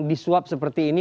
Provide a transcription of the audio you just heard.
disuap seperti ini